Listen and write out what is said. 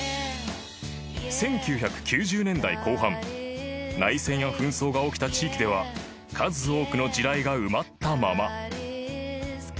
［１９９０年代後半内戦や紛争が起きた地域では数多くの地雷が埋まったまま］